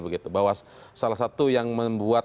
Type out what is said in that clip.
begitu bahwa salah satu yang membuat